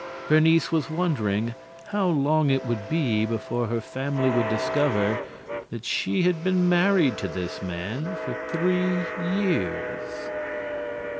Bernice was wondering how long it would be before her family would discover that she had been married to this man for three years.